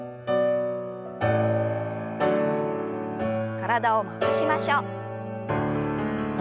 体を回しましょう。